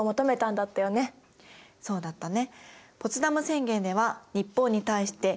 そうだったね